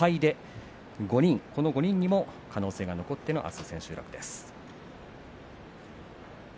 ５敗の５人にも可能性が残ってのあす千秋楽です。